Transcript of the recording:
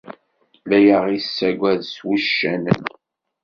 La aɣ-issagad s wuccanen.